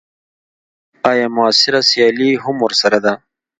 ایا معاصره سیالي هم ورسره ده.